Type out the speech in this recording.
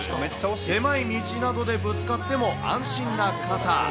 狭い道などでぶつかっても安心な傘。